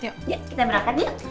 iya kita berangkat yuk